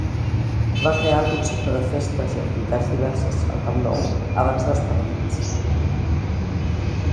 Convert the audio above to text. Va crear el concepte de festes i activitats diverses al Camp Nou abans dels partits.